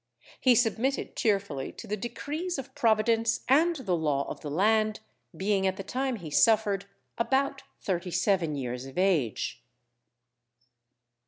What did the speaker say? He submitted cheerfully to the decrees of Providence and the Law of the land; being at the time he suffered about thirty seven years of age.